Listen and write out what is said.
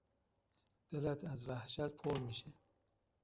دلت از وحشت پُر میشه.